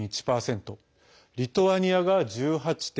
リトアニアが１８．５％。